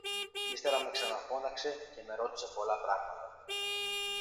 Ύστερα με ξαναφώναξε και με ρώτησε πολλά πράματα